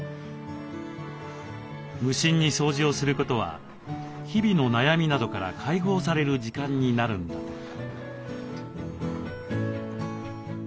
無心に掃除をすることは日々の悩みなどから解放される時間になるんだとか。